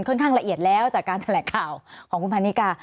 ข้างละเอียดแล้วจากการแถลงข่าวของคุณพันนิกา